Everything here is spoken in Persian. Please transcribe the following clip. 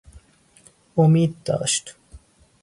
امید داشت